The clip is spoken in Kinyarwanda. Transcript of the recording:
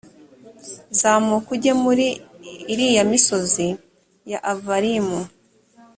zamuka ujye muri iriya misozi ya avarimu.